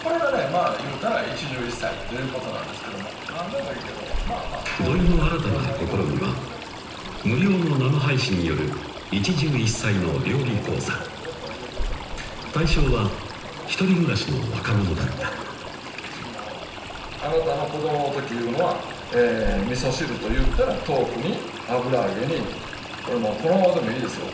まぁ言うたら一汁一菜ということなんですけども何でもいいけどまぁまぁ土井の新たな試みは無料の生配信による一汁一菜の料理講座対象は１人暮らしの若者だったあなたの子供の時いうのはえ味噌汁といったら豆腐に油揚げにこれもうこのままでもいいですよ